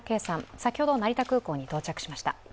先ほど成田空港に到着しました。